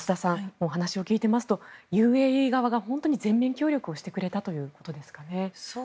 お話を聞いてますとＵＡＥ側が本当に全面協力をしてくれたということですかね。